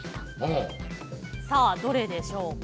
さあどれでしょうか？